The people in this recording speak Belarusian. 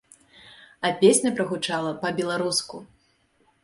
А песня прагучала па-беларуску!